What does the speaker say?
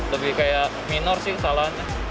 lebih kayak minor sih salahnya